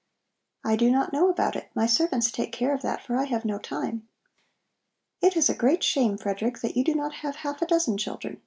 "I do not know about it; my servants take care of that, for I have no time." "It is a great shame, Frederick, that you do not have half a dozen children.